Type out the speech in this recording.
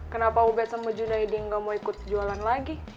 kenapa ubed sama junaidy nggak mau ikut jualan lagi